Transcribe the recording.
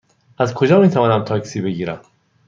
از کجا می توانم تاکسی بگیرم؟